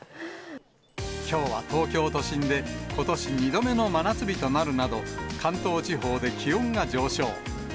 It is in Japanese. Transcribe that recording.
きょうは東京都心で、ことし２度目の真夏日となるなど、関東地方で気温が上昇。